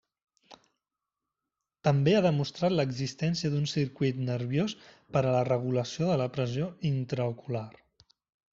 També ha demostrat l'existència d'un circuit nerviós per a la regulació de la pressió intraocular.